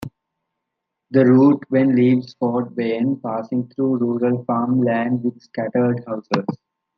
The route then leaves Fort Wayne, passing through rural farm land with scattered houses.